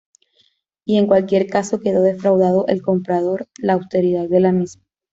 Y, en cualquier caso, quedó defraudado al comprobar la austeridad de la misma.